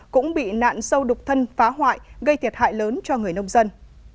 cũng bị nạn sâu đục thân phá hoại gây thiệt hại lớn cho người nông dân